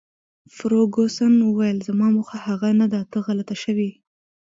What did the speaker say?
فرګوسن وویل: زما موخه هغه نه ده، ته غلطه شوې.